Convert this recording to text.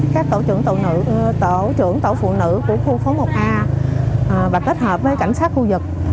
các tổ trưởng tổ phụ nữ của khu phố một a và kết hợp với cảnh sát khu vực